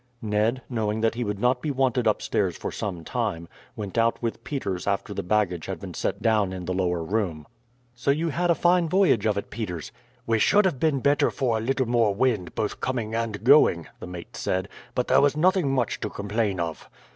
Ned, knowing that he would not be wanted upstairs for some time, went out with Peters after the baggage had been set down in the lower room. "So you had a fine voyage of it, Peters?" "We should have been better for a little more wind, both coming and going," the mate said; "but there was nothing much to complain of."